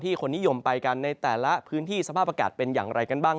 คนนิยมไปกันในแต่ละพื้นที่สภาพอากาศเป็นอย่างไรกันบ้าง